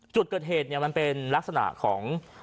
จุดเกิดเหตุมันเป็นลักษณะของ